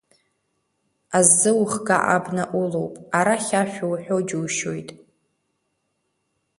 Аззы ухга абна улоуп, арахь ашәа уҳәо џьушьоит.